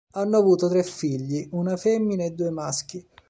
Hanno avuto tre figli, una femmina e due maschi.